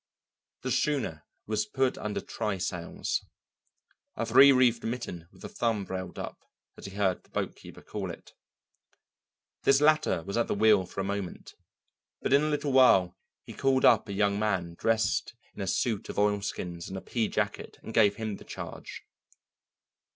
The schooner was put under try sails, "a three reefed mitten with the thumb brailed up," as he heard the boatkeeper call it. This latter was at the wheel for a moment, but in a little while he called up a young man dressed in a suit of oilskins and a pea jacket and gave him the charge.